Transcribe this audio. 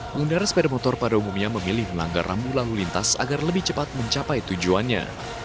pengendara sepeda motor pada umumnya memilih melanggar rambu lalu lintas agar lebih cepat mencapai tujuannya